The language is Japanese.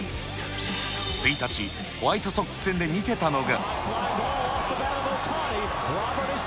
１日、ホワイトソックス戦で見せたのが。